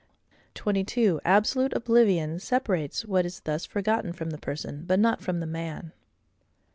22. Absolute oblivion separates what is thus forgotten from the person, but not from the man.